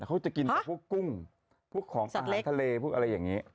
เขาจะกินจากพวกกุ้งพวกของอาหารทะเลพวกอะไรอย่างนี้